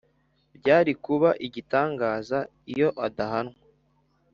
byari kuba igitangaza iyo adahanwa;